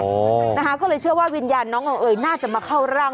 เขาเลยเชื่อว่าวิญญาณน้องเอิงเอยน่าจะมาเข้าร่าง